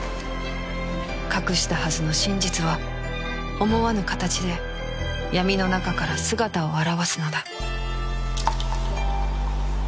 隠したはずの真実は思わぬ形で闇の中から姿を現すのだ